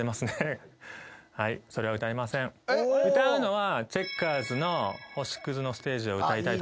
歌うのは。